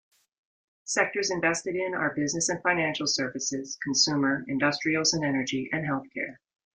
Sectors invested in are business and financial services, consumer, industrials and energy, and healthcare.